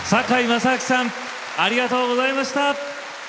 堺正章さんありがとうございました。